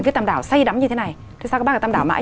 viết tăm đảo say đắm như thế này thế sao các bác phải tăm đảo mãi